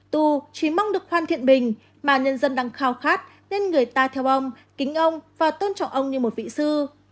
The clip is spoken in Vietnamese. tù chỉ mong được hoàn thiện bình mà nhân dân đang khao khát nên người ta theo ông kính ông và tôn trọng ông như một vị sư